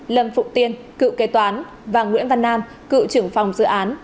lâm phụng tiên cựu kế toán và nguyễn văn nam cựu trưởng phòng dự án